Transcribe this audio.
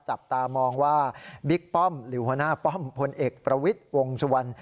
จับตามองว่าบิ๊กป้อมหรือหัวหน้าป้อมพลเอกประวิทย์วงสุวรรณ